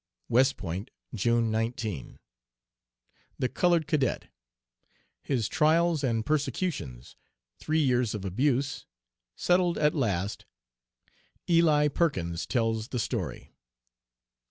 "WEST POINT, June 19." THE COLORED CADET. HIS TRIALS AND PERSECUTIONS THREE YEARS OF ABUSE SETTLED AT LAST "ELI PERKINS" TELLS THE STORY.